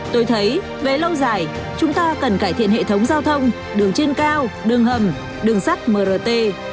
tôi thấy về lâu dài chúng ta cần cải thiện hệ thống giao thông đường trên cao đường hầm đường sắt mrt